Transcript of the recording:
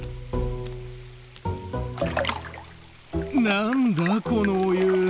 何だこのお湯！